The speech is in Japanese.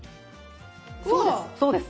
そうですそうです。